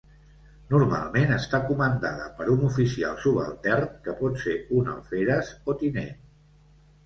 Normalment està comandada per un oficial subaltern que pot ser un alferes o tinent.